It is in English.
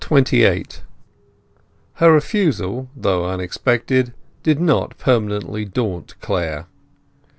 XXVIII Her refusal, though unexpected, did not permanently daunt Clare.